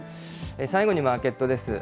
最後にマーケットです。